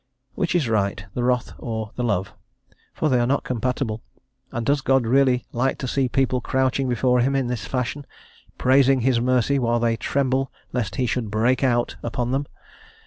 Which is right, the wrath or the love? for they are not compatible; and does God really like to see people crouching before Him in this fashion, praising His mercy while they tremble lest He should "break out" upon them?